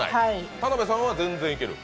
田辺さんは全然イケる？